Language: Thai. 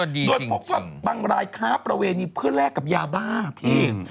โดยพบว่าบางรายค้าประเวณีเพื่อแลกกับยาบ้าพี่